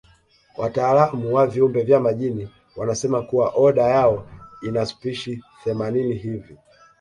Wataalamu wa viumbe vya majini wanasema kuwa oda yao ina spishi themanini hivi